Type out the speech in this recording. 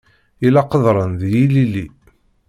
Yella qeḍran d yilili.